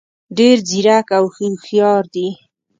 ډېر ځیرک او هوښیار دي.